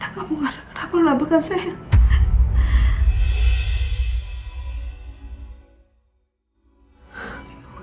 raina kamu gak ada kenapa melupakan saya